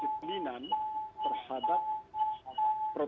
bukan pembatasan dalam maksimum psbb